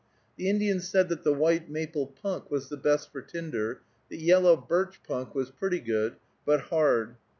The Indian said that the white maple punk was the best for tinder, that yellow birch punk was pretty good, but hard.